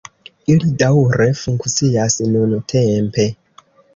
Ili daŭre funkcias nuntempe.